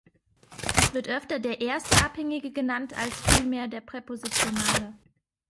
Es wird öfter der „erste Abhängige“ genannt als vielmehr der präpositionale.